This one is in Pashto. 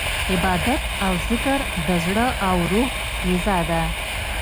عبادت او ذکر د زړه او روح غذا ده.